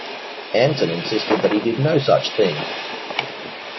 Anson insisted that he did no such thing.